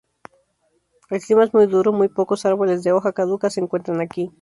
El clima es muy duro, muy pocos árboles de hoja caduca se encuentran aquí.